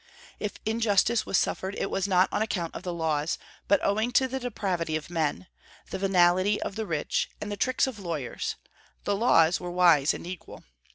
If injustice was suffered it was not on account of the laws, but owing to the depravity of men, the venality of the rich, and the tricks of lawyers; the laws were wise and equal.